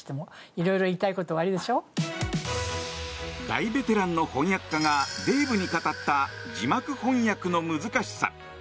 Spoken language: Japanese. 大ベテランの翻訳家がデーブに語った字幕翻訳の難しさ。